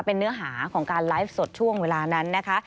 เป็นเนื้อหาของการไลฟ์สดช่วงเวลานั้นนะคะ